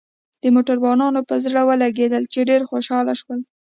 د موټروانانو په زړه ولګېدل، چې ډېر خوشاله شول.